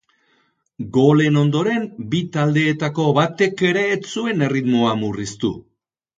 Golen ondoren bi taldeetako batek ere ez zuen erritmoa murriztu.